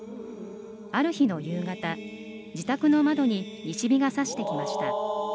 ある日の夕方、自宅の窓に西日が差してきました。